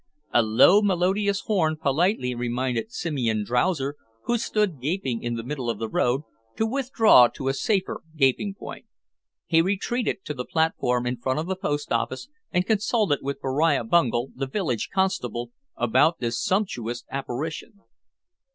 A low, melodious horn politely reminded Simeon Drowser, who stood gaping in the middle of the road, to withdraw to a safer gaping point. He retreated to the platform in front of the post office and consulted with Beriah Bungel, the village constable, about this sumptuous apparition.